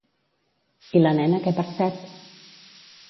I la nena què percep?